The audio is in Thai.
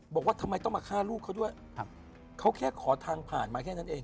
บอกว่าทำไมต้องมาฆ่าลูกเขาด้วยครับเขาแค่ขอทางผ่านมาแค่นั้นเอง